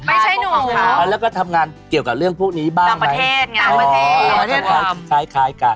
ไม่ใช่หนูแล้วก็ทำงานเกี่ยวกับเรื่องพวกนี้บ้างไหมอ๋อคล้ายกัน